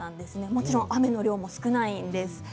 もちろん雨の量も少ないんです。